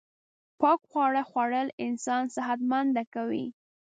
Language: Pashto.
پاک خواړه خوړل انسان صحت منده کوی